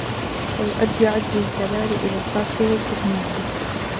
فَيُؤَدِّي عَجْزُ الْكَلَالِ إلَى التَّرْكِ وَالْإِهْمَالِ